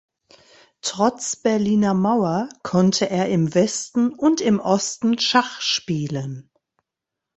Trotz Berliner Mauer konnte er im Westen und im Osten Schach spielen.